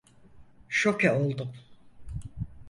Şoke oldum.